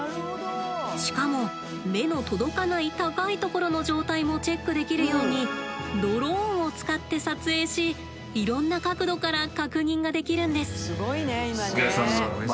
しかも目の届かない高いところの状態もチェックできるようにドローンを使って撮影しいろんな角度から確認ができるんです。